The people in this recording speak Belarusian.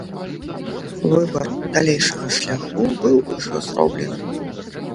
Выбар далейшага шляху быў ужо зроблены.